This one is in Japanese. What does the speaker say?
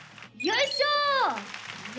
よいしょ。